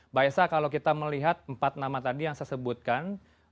mbak esa kalau kita melihat empat nama tadi yang saya sebutkan